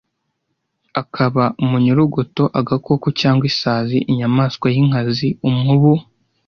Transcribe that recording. akaba umunyorogoto, agakoko cyangwa isazi, inyamaswa y’inkazi, umubu,